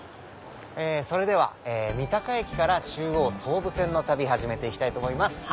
それでは三鷹駅から中央・総武線の旅始めて行きたいと思います。